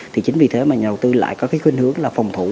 thì chính vì thế mà nhà đầu tư lại có cái khuyên hướng là phòng thủ